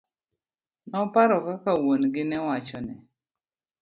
Noparo kaka wuon gi newachone.